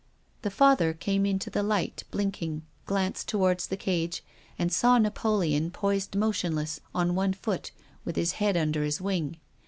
The Father came into the light, blinking, glanced towards the cage, and saw Napoleon poised motionless on one foot with his head under his wing.